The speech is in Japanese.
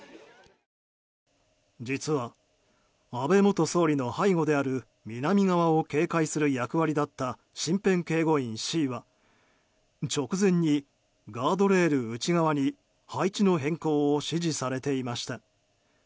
実は、安倍元総理の背後である南側を警戒する役割だった身辺警護員Ｃは直前にガードレール内側に配置の変更を指示されていました。